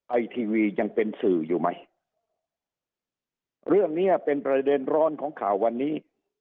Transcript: ไอทีวียังเป็นสื่ออยู่ไหมเรื่องเนี้ยเป็นประเด็นร้อนของข่าววันนี้